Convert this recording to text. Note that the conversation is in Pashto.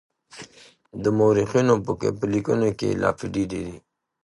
د مورخينو په ليکنو کې لافې ډېرې دي.